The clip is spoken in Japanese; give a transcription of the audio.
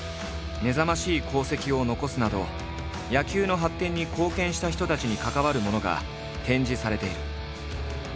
目覚ましい功績を残すなど野球の発展に貢献した人たちに関わるものが展示されている。